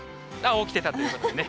起きてたっていうことでね。